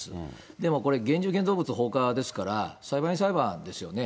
でもこれ、現住建造物等放火ですから、裁判員裁判ですよね。